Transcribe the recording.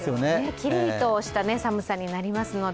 きりりとした寒さになりますので。